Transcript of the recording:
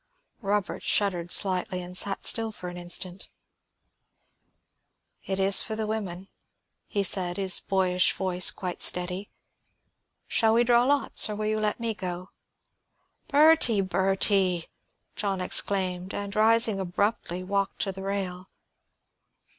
Robert shuddered slightly and sat still for an instant. "It is for the women," he said, his boyish voice quite steady. "Shall we draw lots, or will you let me go?" "Bertie, Bertie!" John exclaimed, and, rising abruptly, walked to the rail.